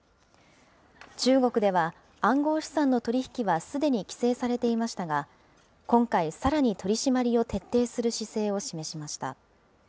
中国では暗号資産の取り引きはすでに規制されていましたが、今回、さらに取締りを徹底する姿勢を示しました。